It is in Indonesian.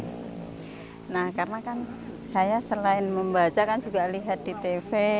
nah karena kan saya selain membaca kan juga lihat di tv